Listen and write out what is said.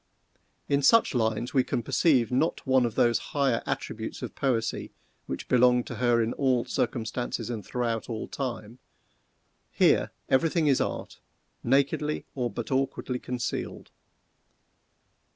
In such lines we can perceive not one of those higher attributes of Poesy which belong to her in all circumstances and throughout all time. Here every thing is art, nakedly, or but awkwardly concealed.